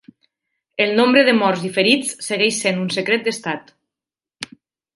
El nombre de morts i ferits segueix sent un secret d'estat.